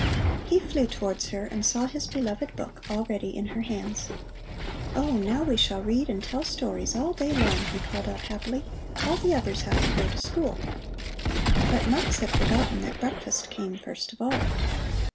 He flew towards her and saw his beloved book already in her hands. "Oh, now we shall read and tell stories all day long," he called out happily. "All the others have to go to school." But Mux had forgotten that breakfast came first of all.